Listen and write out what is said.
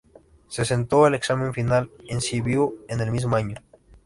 Se sentó el examen final en Sibiu en el mismo año.